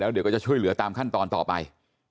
เดี๋ยวก็จะช่วยเหลือตามขั้นตอนต่อไป